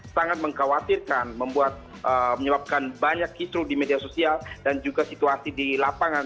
sangat mengkhawatirkan menyebabkan banyak kisru di media sosial dan juga situasi di lapangan